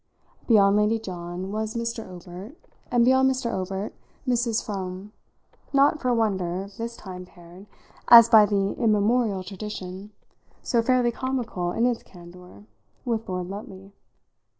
Beyond Lady John was Mr. Obert, and beyond Mr. Obert Mrs. Froome, not, for a wonder, this time paired, as by the immemorial tradition, so fairly comical in its candour, with Lord Lutley.